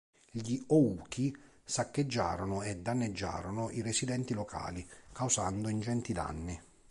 Gli Ōuchi saccheggiarono e danneggiarono i residenti locali, causando ingenti danni.